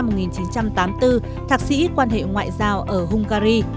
năm một nghìn chín trăm tám mươi một nghìn chín trăm tám mươi bốn thạc sĩ quan hệ ngoại giao ở hungary